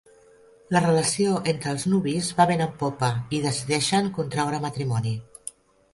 La relació entre els nuvis va vent en popa i decideixen contreure matrimoni.